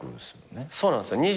そうなんすよ。